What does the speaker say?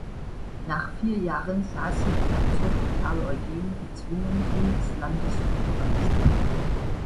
Nach vier Jahren sah sich Herzog Carl Eugen gezwungen, ihn des Landes zu verweisen.